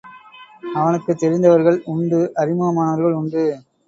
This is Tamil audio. அவனுக்குத் தெரிந்தவர்கள் உண்டு அறிமுகமானவர்கள் உண்டு.